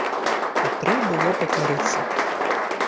А трэ было пакарыцца!